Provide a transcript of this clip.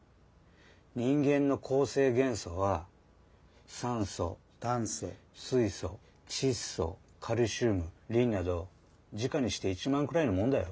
人間の構成元素は酸素炭素水素窒素カルシウムリンなど時価にして１万くらいのもんだよ。